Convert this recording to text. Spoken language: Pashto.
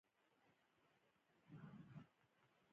اقتصاد او صنعت سره تړلي دي